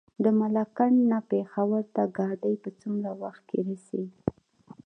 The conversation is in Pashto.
د ملاکنډ نه پېښور ته ګاډی په څومره وخت کې رسي؟